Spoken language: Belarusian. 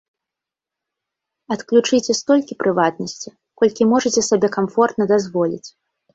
Адключыце столькі прыватнасці, колькі можаце сабе камфортна дазволіць.